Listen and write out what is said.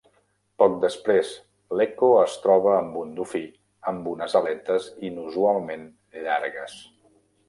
Poc després l'Ecco es troba amb un dofí amb unes aletes inusualment llargues.